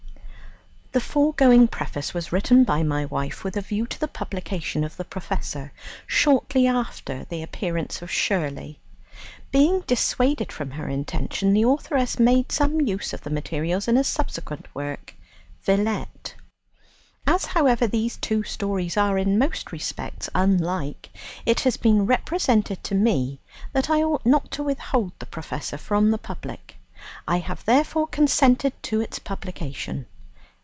The foregoing preface was written by my wife with a view to the publication of "The Professor," shortly after the appearance of "Shirley." Being dissuaded from her intention, the authoress made some use of the materials in a subsequent work "Villette." As, however, these two stories are in most respects unlike, it has been represented to me that I ought not to withhold "The Professor" from the public. I have therefore consented to its publication.